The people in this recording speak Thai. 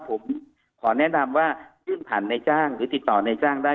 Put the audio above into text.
ผมขอแนะนำว่ายื่นผ่านในจ้างหรือติดต่อในจ้างได้